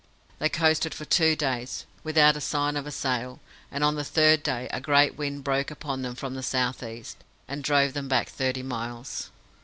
They coasted for two days, without a sign of a sail, and on the third day a great wind broke upon them from the south east, and drove them back thirty miles.